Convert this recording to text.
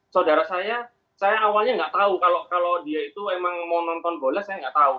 saudara saya saya awalnya nggak tahu kalau dia itu emang mau nonton bola saya nggak tahu